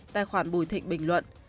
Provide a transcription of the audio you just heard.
tài khoản bùi thịnh bình luận